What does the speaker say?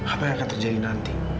apa yang akan terjadi nanti